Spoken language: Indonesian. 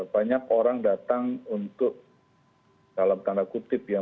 banyak orang datang untuk dalam tanda kutip ya